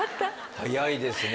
早いですね